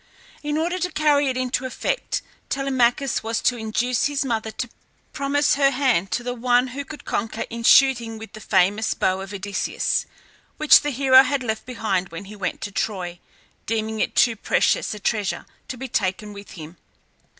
In order to carry it into effect Telemachus was to induce his mother to promise her hand to the one who could conquer in shooting with the famous bow of Odysseus, which the hero had left behind when he went to Troy, deeming it too precious a treasure to be taken with him.